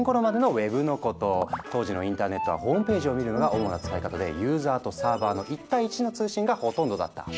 当時はインターネットはホームページを見るのが主な使い方でユーザーとサーバーの１対１の通信がほとんどだった。